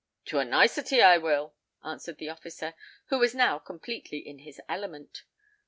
"To a nicety I will," answered the officer, who was now completely in his element.